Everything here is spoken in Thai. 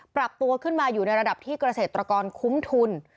ปรับตัวขึ้นมาอยู่ในระดับที่เกษตรกรคุ้มทุน